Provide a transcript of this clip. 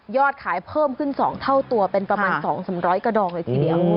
ขายเพิ่มขึ้น๒เท่าตัวเป็นประมาณ๒๓๐๐กระดองเลยทีเดียว